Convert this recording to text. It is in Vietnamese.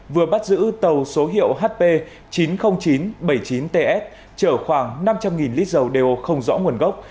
vừa bắt giữ tàu số hiệu hp chín mươi nghìn chín trăm bảy mươi chín ts chở khoảng năm trăm linh lít dầu đều không rõ nguồn gốc